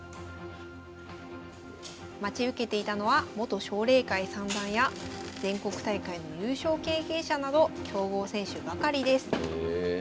待ち受けていたのは元奨励会三段や全国大会の優勝経験者など強豪選手ばかりです。